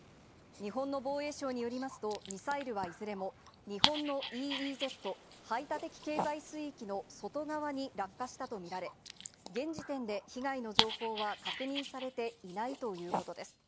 日本の防衛省によりますと、ミサイルはいずれも日本のＥＥＺ・排他的経済水域の外側に落下したと見られ、現時点で被害の情報は確認されていないということです。